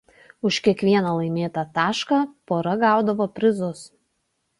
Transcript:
Už kiekvieną laimėtą tašką pora gaudavo prizus.